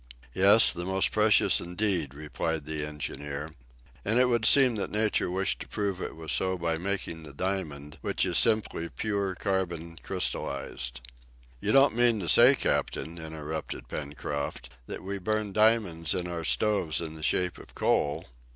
"Yes, the most precious indeed," replied the engineer; "and it would seem that nature wished to prove that it was so by making the diamond, which is simply pure carbon crystallized." "You don't mean to say, captain," interrupted Pencroft, "that we burn diamonds in our stoves in the shape of coal?"